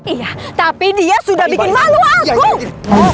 iya tapi dia sudah bikin malu aku